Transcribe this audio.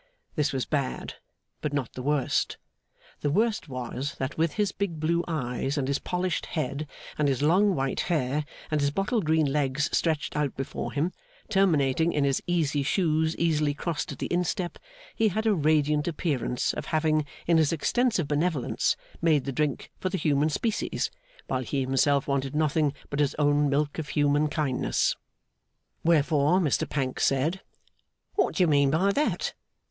This was bad, but not the worst. The worst was, that with his big blue eyes, and his polished head, and his long white hair, and his bottle green legs stretched out before him, terminating in his easy shoes easily crossed at the instep, he had a radiant appearance of having in his extensive benevolence made the drink for the human species, while he himself wanted nothing but his own milk of human kindness. Wherefore, Mr Pancks said, 'What do you mean by that?